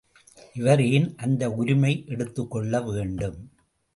இவர் ஏன் அந்த உரிமை எடுத்துக்கொள்ள வேண்டும்.